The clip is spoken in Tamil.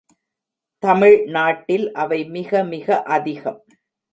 தமிழ்நாட்டில் அவை மிக மிக அதிகம்.